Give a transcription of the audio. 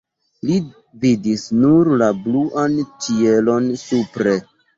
Li vidis nur la bluan ĉielon supre.